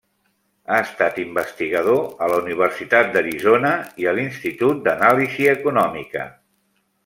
Ha estat investigador a la Universitat d'Arizona i a l'Institut d'Anàlisi Econòmica.